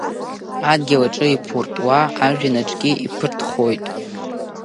Адгьыл аҿы иԥуртуа ажәҩан аҿгьы иԥыртхоит.